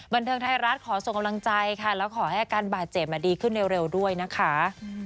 บันเทิงไทยรัฐขอส่งกำลังใจค่ะแล้วขอให้อาการบาดเจ็บดีขึ้นเร็วด้วยนะคะ